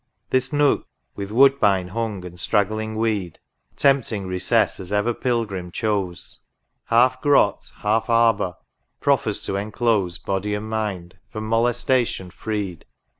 This Nook, with woodbine hung and straggling weed. Tempting recess as ever pilgrim chose, Half grot, half arbour, proffers to enclose Body and mind, from molestation freed.